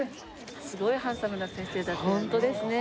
すごいハンサムな先生だったよね。